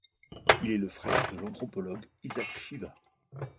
Il est le frère de l'anthropologue Isac Chiva.